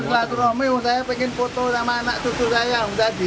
oh silah turahmi saya pengen foto sama anak cucu saya yang tadi